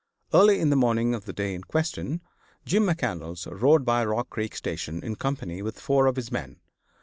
Early in the morning of the day in question, Jim McCandlas rode by Rock Creek station in company with four of his men.